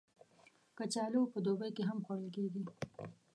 کچالو په دوبی کې هم خوړل کېږي